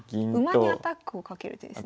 馬にアタックをかける手ですね。